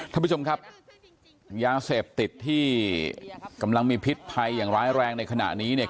ท่านผู้ชมครับยาเสพติดที่กำลังมีพิษภัยอย่างร้ายแรงในขณะนี้เนี่ย